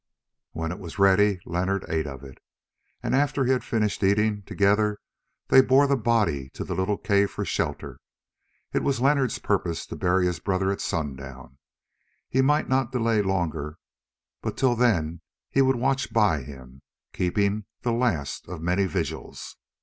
When it was ready Leonard ate of it, and after he had finished eating, together they bore the body to the little cave for shelter. It was Leonard's purpose to bury his brother at sundown; he might not delay longer, but till then he would watch by him, keeping the last of many vigils.